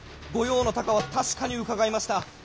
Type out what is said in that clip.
御用の高は確かに伺いました。